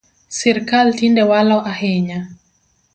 Sirkal tinde walo ahinya